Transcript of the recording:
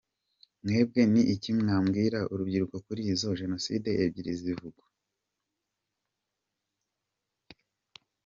Mwebwe ni iki mwabwira urubyiruko kuri izo ”jenoside” ebyiri zivugwa?